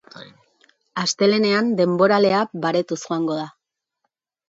Astelehenean denboralea baretuz joango da.